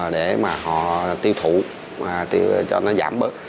để mà họ tiêu thụ cho nó giảm bớt